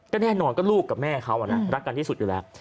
ก็แน่นอนก็ลูกกับแม่เขารักกันที่สุดอยู่แล้ว